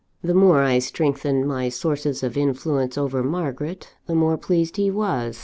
The more I strengthened my sources of influence over Margaret, the more pleased he was.